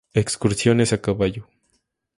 Excursiones a caballo.